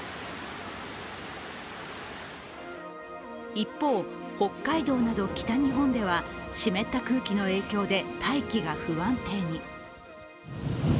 一方、北海道など北日本では、湿った空気の影響で大気が不安定に。